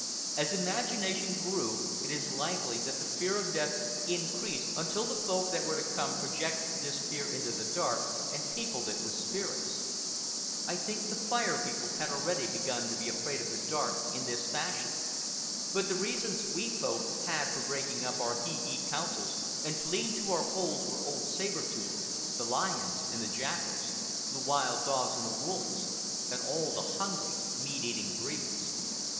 As imagination grew it is likely that the fear of death increased until the Folk that were to come projected this fear into the dark and peopled it with spirits. I think the Fire People had already begun to be afraid of the dark in this fashion; but the reasons we Folk had for breaking up our hee hee councils and fleeing to our holes were old Saber Tooth, the lions and the jackals, the wild dogs and the wolves, and all the hungry, meat eating breeds.